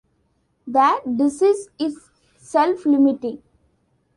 The disease is self-limiting.